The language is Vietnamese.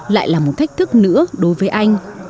lại là một thách thức nữa đối với anh